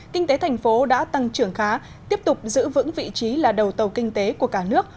kinh tế thành phố đã tăng trưởng khá tiếp tục giữ vững vị trí là đầu tàu kinh tế của cả nước